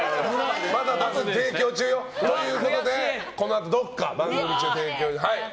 提供中よ。ということでこのあとどこか番組の提供中に。